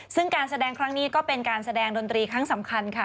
ซึ่งการแสดงครั้งนี้ก็เป็นการแสดงดนตรีครั้งสำคัญค่ะ